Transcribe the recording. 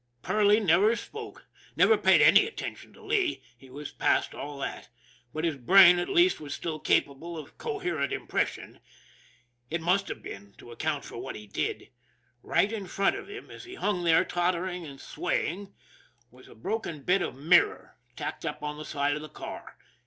Perley never spoke, never paid any attention to Lee he was past all that but his brain, at least, was still capable of coherent impression. It must have been to account for what he did. Right in front of him, as he hung there tottering and swaying, was a broken bit 254 ON THE IRON AT BIG CLOUD of mirror tacked up on the side of the car.